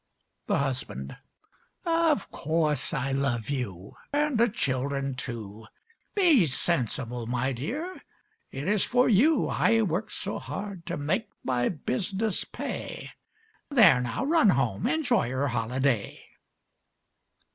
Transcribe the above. THE HUSBAND Of course I love you, and the children too Be sensible, my dear, it is for you I work so hard to make my business pay. There, now, run home, enjoy your holiday.